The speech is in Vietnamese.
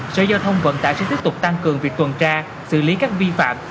sở giao thông vận tải sẽ tiếp tục tăng cường việc tuần tra xử lý các vi phạm